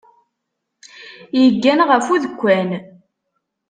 Yeggan ɣef udekkan.